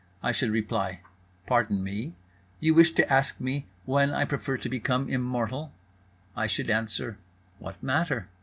I should reply, "Pardon me, you wish to ask me when I prefer to become immortal?" I should answer: "What matter?